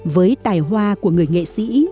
với tài hoa của người nghệ sĩ